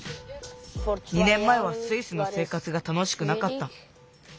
２年まえはスイスの生かつがたのしくなかった。